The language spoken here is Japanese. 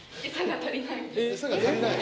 エサが足りない？